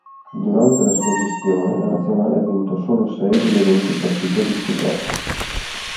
Durante la sua gestione la nazionale ha vinto solo sei delle venti partite disputate.